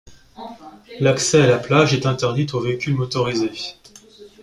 L'accès à la plage est interdite aux véhicules motorisés.